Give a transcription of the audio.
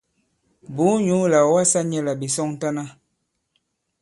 Bùu nyǔ là ɔ̀ wasā nyɛ̄ là ɓè sɔŋtana.